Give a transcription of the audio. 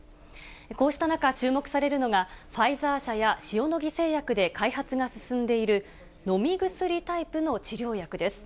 こうした中、注目されるのが、ファイザー社や塩野義製薬で開発が進んでいる、飲み薬タイプの治療薬です。